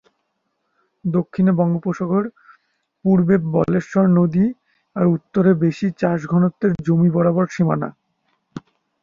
দক্ষিণে বঙ্গোপসাগর; পূর্বে বলেশ্বর নদী আর উত্তরে বেশি চাষ ঘনত্বের জমি বরাবর সীমানা।